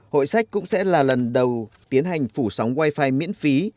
hội sách cũng sẽ là lần đầu tiến hành phủ sóng wifi miễn phí